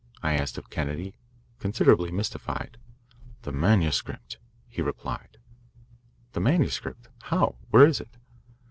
I asked of Kennedy, considerably mystified. "The manuscript," he replied. "The manuscript? How? Where is it?"